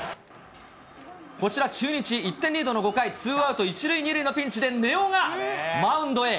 こちら中日、１点リードの５回、ツーアウト１塁２塁のピンチで根尾がマウンドへ。